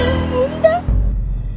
kau bukan kawan